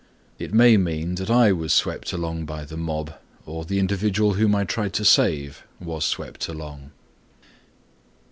It may mean that I was swept along by the mob or the individual whom I tried to save was swept along.